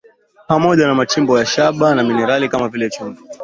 pamoja na machimbo ya shaba na minerali kama vile chumvi